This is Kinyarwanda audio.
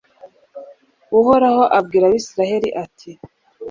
uhoraho abwira abayisraheli, ati